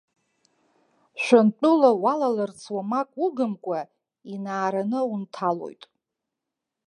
Шәантәыла уалаларц уамак угымкәа, инаараны унҭалоит.